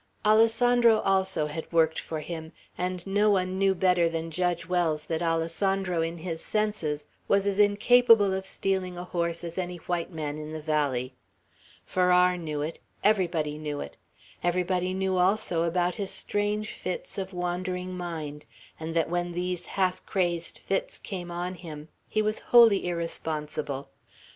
Alessandro also had worked for him; and no one knew better than Judge Wells that Alessandro in his senses was as incapable of stealing a horse as any white man in the valley. Farrar knew it; everybody knew it. Everybody knew, also, about his strange fits of wandering mind; and that when these half crazed fits came on him, he was wholly irresponsible.